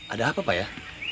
ada apa pak ya